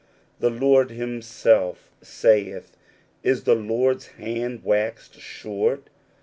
The^^ Lord himself saith, " Is the Lord's hand waxed •^ short